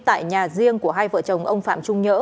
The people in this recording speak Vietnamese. tại nhà riêng của hai vợ chồng ông phạm trung nhớ